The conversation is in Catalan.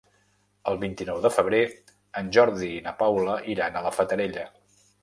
El vint-i-nou de febrer en Jordi i na Paula iran a la Fatarella.